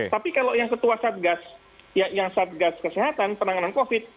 tapi kalau yang ketua satgas yang satgas kesehatan penanganan covid